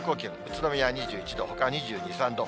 宇都宮２１度、ほか２２、３度。